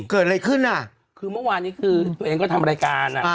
เกิดอะไรขึ้นอ่ะคือเมื่อวานนี้คือตัวเองก็ทำรายการ